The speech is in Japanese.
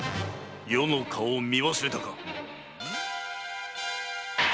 余の顔を見忘れたか？